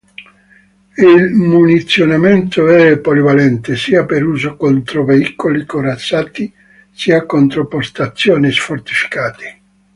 Il munizionamento è polivalente, sia per uso contro veicoli corazzati, sia contro postazioni fortificate.